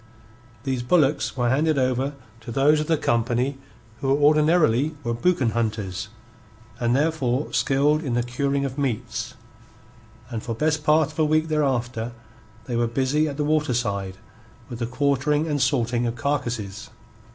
These bullocks were handed over to those of the company who ordinarily were boucan hunters, and therefore skilled in the curing of meats, and for best part of a week thereafter they were busy at the waterside with the quartering and salting of carcases.